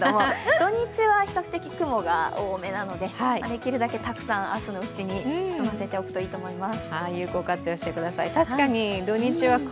土日は比較的雲が多めなのでできるだけたくさん、今のうちに済ませておくといいと思います。